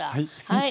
はい。